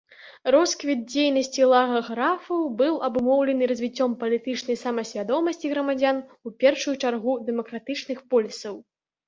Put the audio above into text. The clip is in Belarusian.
Росквіт дзейнасці лагаграфаў быў абумоўлены развіццём палітычнай самасвядомасці грамадзян, у першую чаргу дэмакратычных полісаў.